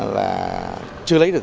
là chưa lấy được